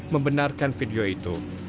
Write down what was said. membenarkan video itu